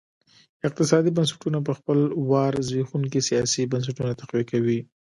اقتصادي بنسټونه په خپل وار زبېښونکي سیاسي بنسټونه تقویه کوي.